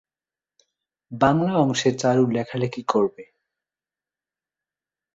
বাংলা অংশে চারু লেখালেখি করবে।